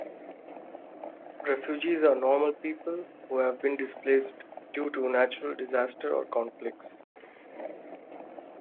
Refugees are normal people who have been displaced due to natural disaster or conflicts